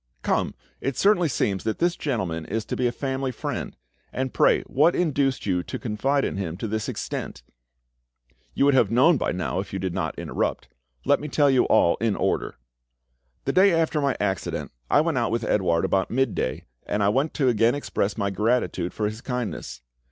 Come, it certainly seems that this gentleman is to be a family friend. And pray what induced you to confide in him to this extent?" "You would have known by now, if you did not interrupt. Let me tell you all in order. The day after my accident I went out with Edouard about midday, and I went to again express my gratitude for his kindness.